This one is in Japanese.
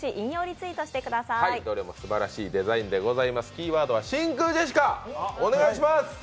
キーワードは真空ジェシカお願いします。